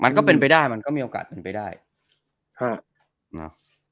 ก็เป็นไปได้มันก็มีโอกาสเป็นไปได้ฮะเนอะ